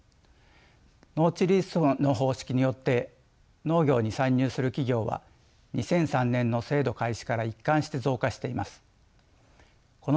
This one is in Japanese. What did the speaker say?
農地リースの方式によって農業に参入する企業は２００３年の制度開始から一貫して増加しています。